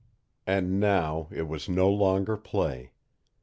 And now it was no longer play.